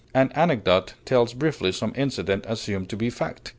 An anecdote tells briefly some incident, assumed to be fact.